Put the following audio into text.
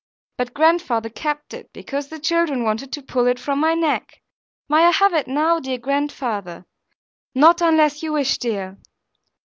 But grandfather kept it, because the children wanted to pull it from my neck. May I have it now, dear grandfather? Not unless you wish, dear.'